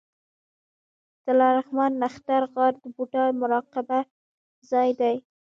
د لغمان نښتر غار د بودا مراقبه ځای دی